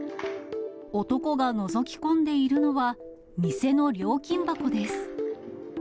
男がのぞき込んでいるのは、店の料金箱です。